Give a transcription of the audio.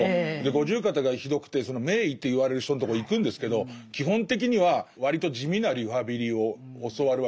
五十肩がひどくて名医と言われる人のとこ行くんですけど基本的には割と地味なリハビリを教わるわけです。